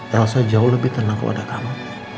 terasa jauh lebih tenang kepada kamu